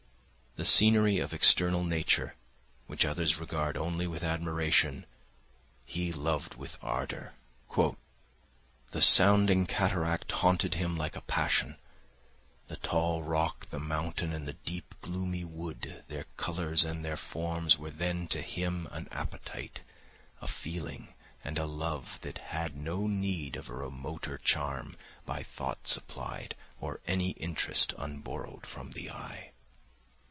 The scenery of external nature, which others regard only with admiration, he loved with ardour:— ——The sounding cataract Haunted him like a passion: the tall rock, The mountain, and the deep and gloomy wood, Their colours and their forms, were then to him An appetite; a feeling, and a love, That had no need of a remoter charm, By thought supplied, or any interest Unborrow'd from the eye.